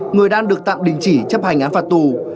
người đang được tạm đình chỉ chấp hành án phạt tù